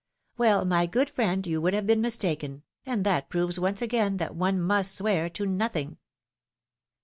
" Well, my good friend, you would have been mistaken, and that proves once again that one must swear to nothing."